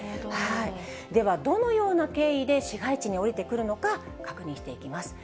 では、どのような経緯で、市街地に下りてくるのか、確認していきます。